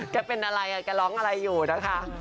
แกเป็นอะไรแกร้องอะไรอยู่นะคะ